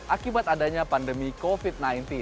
akibat adanya pandemi covid sembilan belas